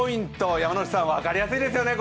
山内さん、これ分かりやすいですよね。